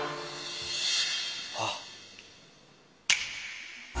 あっ。